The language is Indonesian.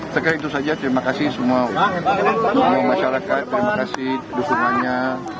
saya kira itu saja terima kasih semua masyarakat terima kasih dukungannya